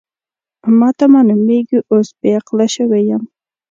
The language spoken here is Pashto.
ما ته معلومېږي اوس بې عقله شوې یم.